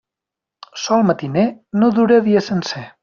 Sol matiner no dura dia sencer.